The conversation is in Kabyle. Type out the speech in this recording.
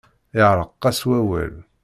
Yeɛreq-as wawal.